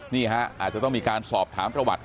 นี่ฮะอาจจะต้องมีการสอบถามประวัติ